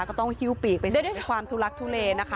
ก็ต้องฮิวปีกไปส่งปะทุลักษณ์ทุเลนะคะ